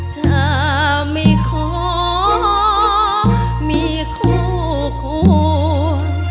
จะไม่ขอมีคู่ควร